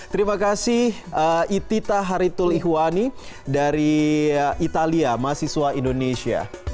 terima kasih itita haritul ihwani dari italia mahasiswa indonesia